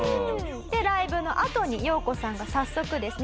でライブのあとにヨウコさんが早速ですね